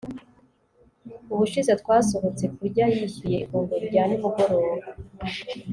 ubushize twasohotse kurya, yishyuye ifunguro rya nimugoroba